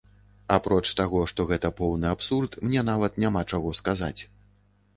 Апроч таго, што гэта поўны абсурд мне нават няма чаго сказаць.